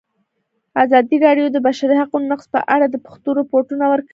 ازادي راډیو د د بشري حقونو نقض په اړه د پېښو رپوټونه ورکړي.